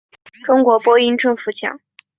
中国播音政府奖。